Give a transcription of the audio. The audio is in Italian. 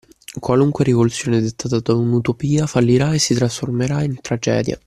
Qualunque rivoluzione dettata da un'utopia fallirà e si trasformerà in tragedia.